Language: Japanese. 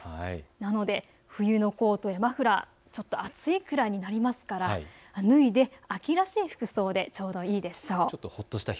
なので冬のコートやマフラー、ちょっと暑いぐらいになりますから脱いで秋らしい服装でちょうどいいでしょう。